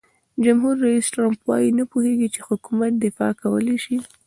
جمهور رئیس ټرمپ وایي نه پوهیږي چې حکومت دفاع کولای شي.